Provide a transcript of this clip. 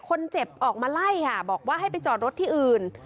คนเจ็บออกมาไล่ค่ะบอกว่าให้ไปจอดรถที่อื่น